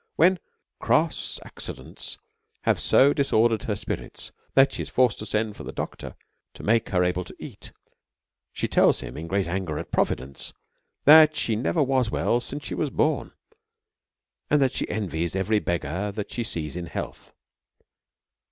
\V hen cross ac cidents have so disordered her spirits that she is forced to send for the doctor to make her able to eat, she tells him, in great anger at Providence, that she never was well since she was born, and that she envies every begg'ar that she sees in health.